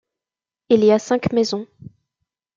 Il y a cinq maisons.